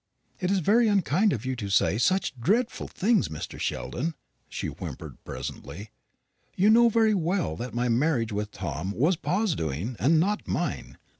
"It's very unkind of you to say such dreadful things, Mr. Sheldon," she whimpered presently; "you know very well that my marriage with Tom was pa's doing, and not mine.